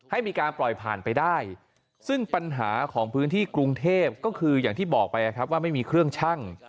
ให้มีการปล่อยผ่านไปได้ซึ่งปัญหาของพื้นที่กรุงเทพก็คืออย่างที่บอกไปครับว่าไม่มีเครื่องชั่ง